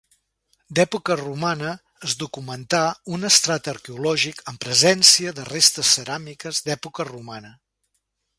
D'època romana es documentà un estrat arqueològic amb presència de restes ceràmiques d'època romana.